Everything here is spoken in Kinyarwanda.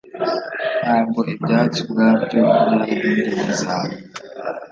Ntabwo ibyatsi ubwabyo byari impungenge zawe